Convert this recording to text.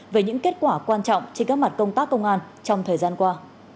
về những kết quả quan trọng trên các mặt công tác công an trong thời gian qua